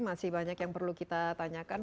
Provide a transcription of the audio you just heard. masih banyak yang perlu kita tanyakan